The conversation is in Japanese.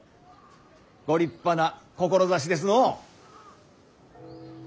ご立派な志ですのう。